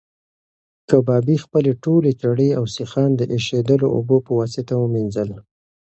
کبابي خپلې ټولې چړې او سیخان د ایشېدلو اوبو په واسطه ومینځل.